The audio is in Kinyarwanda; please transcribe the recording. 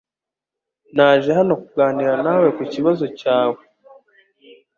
Naje hano kuganira nawe kukibazo cyawe